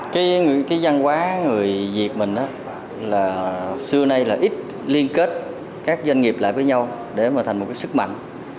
cái văn hóa người việt mình là xưa nay là ít liên kết các doanh nghiệp lại với nhau để mà thành một cái sức mạnh